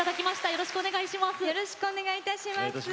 よろしくお願いします。